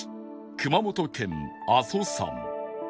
熊本県阿蘇山